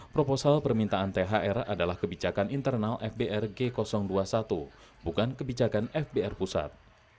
proposal permintaan thr adalah kebijakan internal fbr g dua puluh satu bukan kebijakan fbr pusat